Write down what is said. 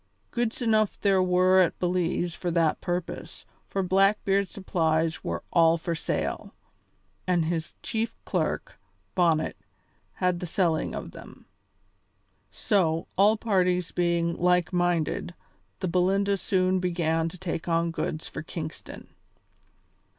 Goods enough there were at Belize for that purpose, for Blackbeard's supplies were all for sale, and his chief clerk, Bonnet, had the selling of them. So, all parties being like minded, the Belinda soon began to take on goods for Kingston.